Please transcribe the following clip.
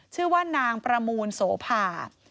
ชื่อว่านางประมูลโสภา